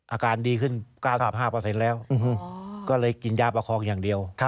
อาการดีขึ้น๙๕แล้วก็เลยกินยาประคองอย่างเดียว